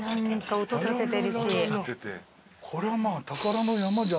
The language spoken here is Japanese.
これはまあ。